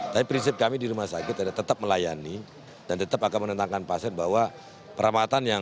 tapi prinsip kami di rumah sakit adalah tetap melayani dan tetap akan menentangkan pasien bahwa peramatan yang terbaik adalah di dalam gedung